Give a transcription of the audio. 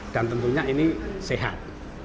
dan tentunya ini sehat